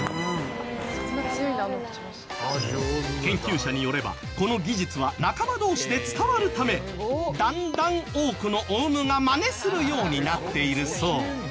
研究者によればこの技術は仲間同士で伝わるためだんだん多くのオウムがマネするようになっているそう。